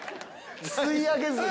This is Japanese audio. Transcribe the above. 吸い上げずに。